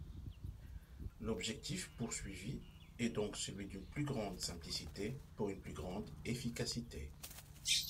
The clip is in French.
L’objectif poursuivi est donc celui d’une plus grande simplicité, pour une plus grande efficacité.